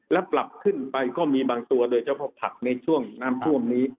และปรับขึ้นไปก็มีบางตัวโดยเฉพาะผักในช่วงน้ำท่วมนี้